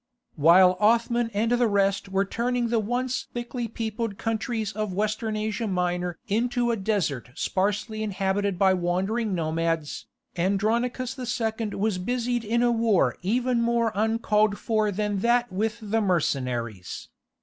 While Othman and the rest were turning the once thickly peopled countries of Western Asia Minor into a desert sparsely inhabited by wandering nomads, Andronicus II. was busied in a war even more uncalled for than that with the mercenaries.